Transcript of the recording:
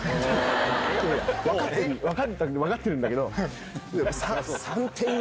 分かってるんだけど。